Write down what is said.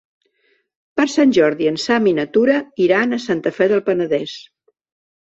Per Sant Jordi en Sam i na Tura iran a Santa Fe del Penedès.